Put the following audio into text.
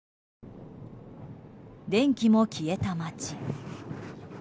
電気も消えた町。